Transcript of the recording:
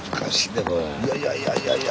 いやいやいやいや。